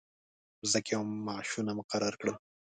مځکې او معاشونه مقرر کړل.